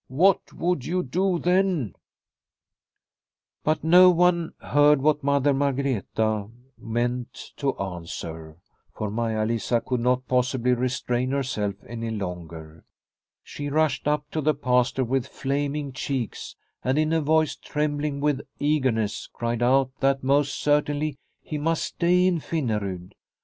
What would you do then ? w But no one heard what Mother Margreta meant to answer, for Maia Lisa could not possibly restrain herself any longer. She rushed up to the Pastor with flaming cheeks, and in a voice trembling with eagerness cried out that most certainly he must stay in Finnerud.